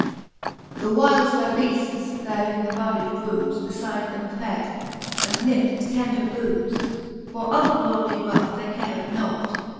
The whyles the beafts there in the budded broomes Befide them fed, and nipt the tender bloomes : For other worldly wealth they cared nought.